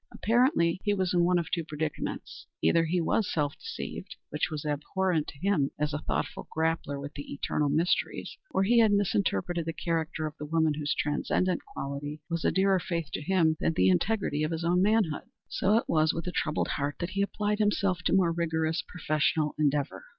Apparently he was in one of two predicaments; either he was self deceived, which was abhorrent to him as a thoughtful grappler with the eternal mysteries, or he had misinterpreted the character of the woman whose transcendent quality was a dearer faith to him than the integrity of his own manhood. So it was with a troubled heart that he applied himself to more rigorous professional endeavor.